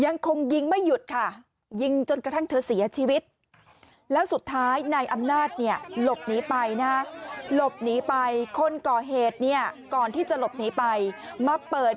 ยังคงยิงไม่หยุดค่ะยิงจนกระทั่งเธอเสียชีวิต